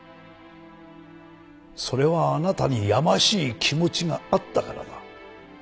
それはあなたにやましい気持ちがあったからだ。